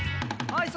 はい。